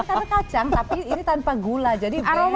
tapi karena kacang tapi ini tanpa gula jadi very friendly